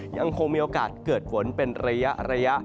ยังคงมีโอกาสเกิดฝนเป็นระยะ